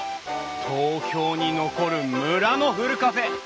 東京に残る村のふるカフェ。